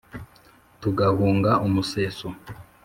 tugahunga umuseso